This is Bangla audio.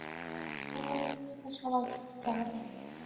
আমি খুবই দুঃখিত সবাইকে যেতে হবে।